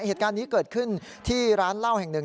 เหตุการณ์นี้เกิดขึ้นที่ร้านเหล้าแห่งหนึ่ง